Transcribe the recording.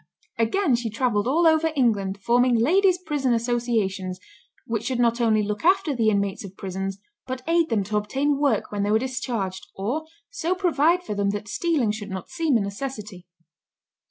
Again she travelled all over England, forming "Ladies' Prison Associations," which should not only look after the inmates of prisons, but aid them to obtain work when they were discharged, or "so provide for them that stealing should not seem a necessity."